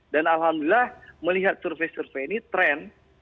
dan alhamdulillah melihat survei survei ini trendnya semakin membaik